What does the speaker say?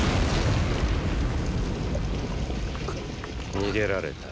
逃げられた。